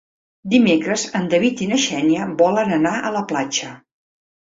Dimecres en David i na Xènia volen anar a la platja.